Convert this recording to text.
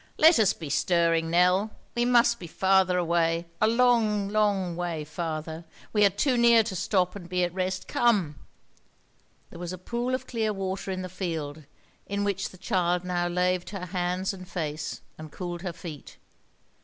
"Let us be stirring, Nell. We must be farther away—a long, long way farther. We are too near to stop and be at rest. Come." There was a pool of clear water in the field, in which the child now laved her hands and face, and cooled her feet.